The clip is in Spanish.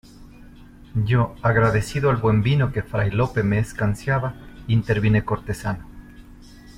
yo, agradecido al buen vino que Fray Lope me escanciaba , intervine cortesano: